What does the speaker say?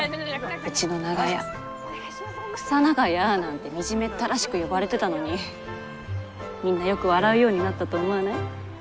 うちの長屋「クサ長屋」なんて惨めったらしく呼ばれてたのにみんなよく笑うようになったと思わない？